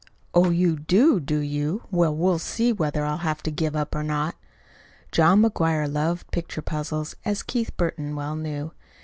"Oh, you do, do you? Well, we'll see whether I'll have to give it up or not." John McGuire loved picture puzzles, as Keith Burton well knew.